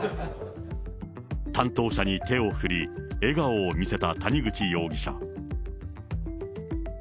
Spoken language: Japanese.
担当者に手を振り、笑顔を見せた谷口容疑者。